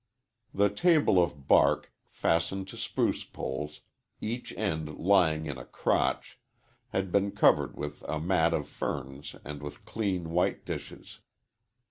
The table of bark, fastened to spruce poles, each end lying in a crotch, had been covered with a mat of ferns and with clean, white dishes.